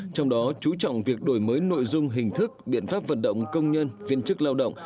trong đó chú trọng việc đổi mới nội dung hình thức biện pháp vận động công nhân viên chức lao động